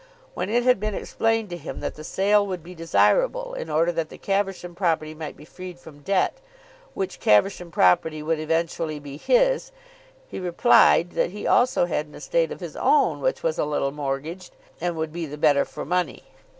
When it had been explained to him that the sale would be desirable in order that the Caversham property might be freed from debt, which Caversham property would eventually be his, he replied that he also had an estate of his own which was a little mortgaged and would be the better for money.